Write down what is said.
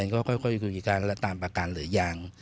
ก็ค่อยคุยกันตามประกันหรือยัง